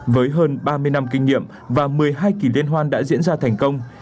với hơn ba mươi năm kinh nghiệm và một mươi hai kỳ liên hoan đã diễn ra thành công